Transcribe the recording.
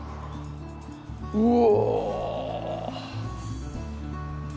おお！